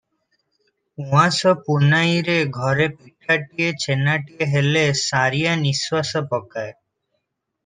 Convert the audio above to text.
ଉଆଁସ ପୁନାଇରେ ଘରେ ପିଠାଟିଏ, ଛେନାଟିକିଏ ହେଲେ ସାରିଆ ନିଃଶ୍ୱାସ ପକାଏ ।